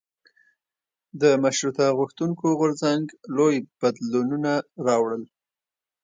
د مشروطه غوښتونکو غورځنګ لوی بدلونونه راوړل.